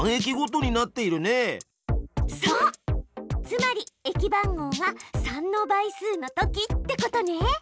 つまり駅番号が３の倍数の時ってことね！